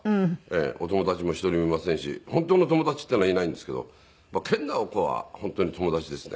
お友達も１人もいませんし本当の友達っていうのはいないんですけど研ナオコは本当に友達ですね。